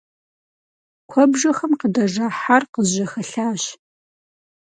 Куэбжэхэм къыдэжа хьэр къызжьэхэлъащ.